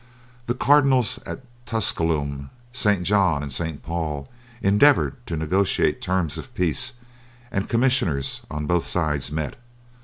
The Cardinals of Tusculum, St. John, and St. Paul endeavoured to negotiate terms of peace, and commissioners on both sides met.